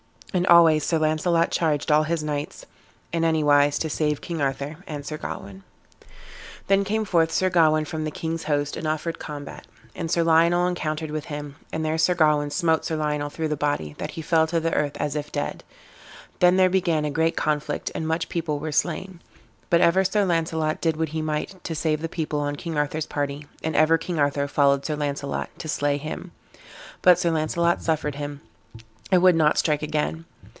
And always Sir Launcelot charged all his knights, in any wise, to save King Arthur and Sir Gawain. Then came forth Sir Gawain from the king's host and offered combat, and Sir Lionel encountered with him, and there Sir Gawain smote Sir Lionel through the body, that he fell to the earth as if dead. Then there began a great conflict, and much people were slain; but ever Sir Launcelot did what he might to save the people on King Arthur's party, and ever King Arthur followed Sir Launcelot to slay him; but Sir Launcelot suffered him, and would not strike again.